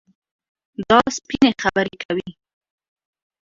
دا سپيني خبري کوي.